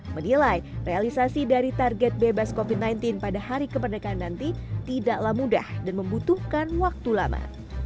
menilai realisasi dari target bebas covid sembilan belas pada hari kemerdekaan nanti tidaklah mudah dan membutuhkan waktu lama